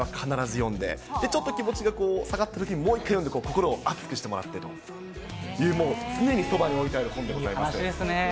今でもこの箱根駅伝前は必ず読んで、ちょっと気持ちが下がったときに、もう一回読んで心を熱くしてもらってと、常にそばに置いてある本でございます。